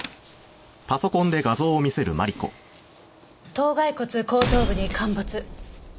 頭骸骨後頭部に陥没。